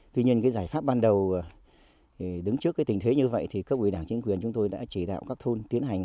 tuy nhiên cái giải pháp ban đầu đứng trước cái tình thế như vậy thì các ủy đảng chính quyền chúng tôi đã chỉ đạo các thôn tiến hành